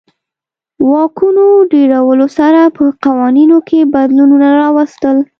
واکونو ډېرولو سره په قوانینو کې بدلونونه راوستل.